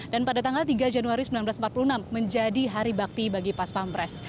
dan pada tanggal tiga januari seribu sembilan ratus empat puluh enam menjadi hari bakti bagi pas pampres